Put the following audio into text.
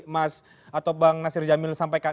mas atau bang nasir jamil sampaikan